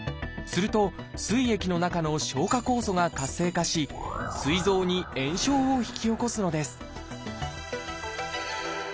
するとすい液の中の消化酵素が活性化しすい臓に炎症を引き起こすのです